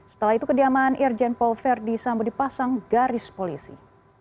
setelah itu kediaman irjen paul verdi sambo dipasang garis polisi